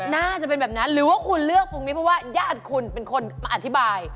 น่าจะเป็นแบบนั้นหรือว่าคุณเลือกปรุงนี้เพราะว่าญาติคุณเป็นคนมาอธิบาย